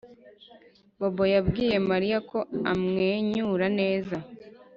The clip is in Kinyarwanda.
Bobo yabwiye Mariya ko amwenyura neza